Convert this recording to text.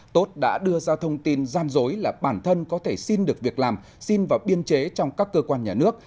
tốt đã đưa ra thông tin gian dối là bản thân có thể xin được việc làm xin vào biên chế trong các cơ quan nhà nước